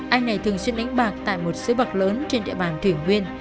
anh này thường xuyên đánh bạc tại một sứ bậc lớn trên địa bàn thuyền huyên